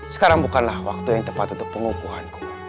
sekarang bukanlah waktu yang tepat untuk pengukuhanku